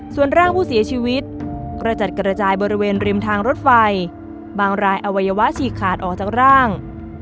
ส่วนร่างผู้เสียชีวิตกระจัดกระจายบริเวณริมทางรถไฟบางรายอวัยวะฉีกขาดออกจากร่าง